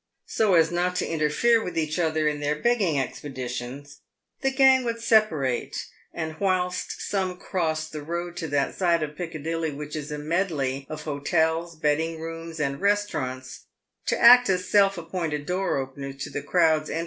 So as not to interfere with each other in their begging expeditions, the gang would separate, and whilst some crossed the road to that side of Piccadilly which is a medley of hotels, betting rooms, and restaurants, to act as self appointed door openers to the crowds en PAVED WITH GOLD.